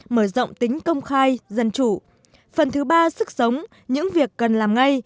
mở rộng tính công khai dân chủ phần thứ ba sức sống những việc cần làm ngay